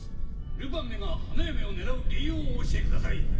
ルパンめが花嫁を狙う理由をお教えください。